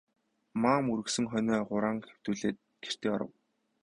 Маам үргэсэн хонио хураан хэвтүүлээд гэртээ оров.